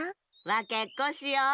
わけっこしよう。